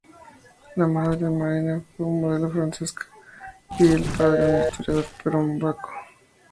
La madre de Marianne fue una modelo francesa y el padre un historiador pernambucano.